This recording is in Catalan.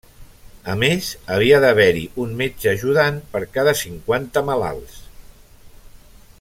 A més, havia d'haver-hi un metge ajudant per cada cinquanta malalts.